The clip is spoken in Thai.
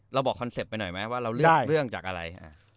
เราบอกคอนเซ็ปต์ไปหน่อยไหมว่าเราเลือกเรื่องจากอะไร